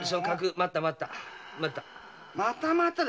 また待った？